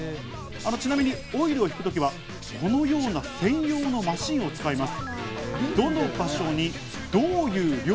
ちなみにオイルを引くときはこのような専用のマシンを使います。